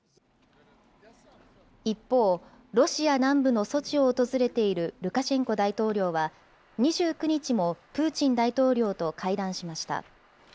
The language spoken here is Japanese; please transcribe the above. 一方、ロシア南部のソチを訪れているルカシェンコ大統領は、２９日もプーチン大統領と会談しました。